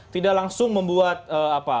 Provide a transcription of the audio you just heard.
tidak langsung membuat apa